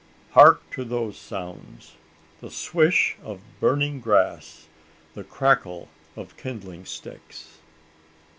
Hark to those sounds! the "swish" of burning grass the crackle of kindling sticks?